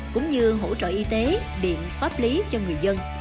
cũng như hỗ trợ y tế điện pháp lý cho người dân